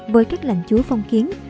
với các lãnh chúa phong kiến